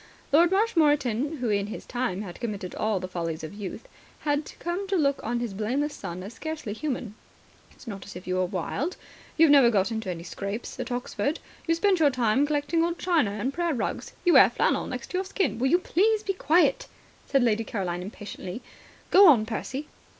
Lord Marshmoreton, who in his time had committed all the follies of youth, had come to look on his blameless son as scarcely human. "It's not as if you were wild. You've never got into any scrapes at Oxford. You've spent your time collecting old china and prayer rugs. You wear flannel next your skin ..." "Will you please be quiet," said Lady Caroline impatiently. "Go on, Percy."